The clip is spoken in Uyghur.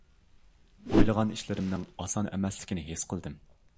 ئويلىغان ئىشلىرىمنىڭ ئاسان ئەمەسلىكىنى ھېس قىلدىم.